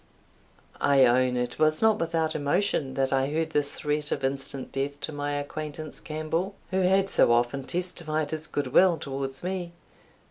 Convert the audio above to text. I own it was not without emotion that I heard this threat of instant death to my acquaintance Campbell, who had so often testified his good will towards me.